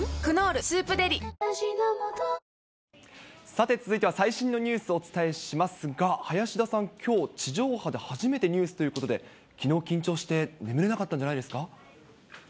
さて、続いては最新のニュースをお伝えしますが、林田さん、きょう、地上波で初めてニュースということで、きのう緊張して眠れなかったんじゃないですか？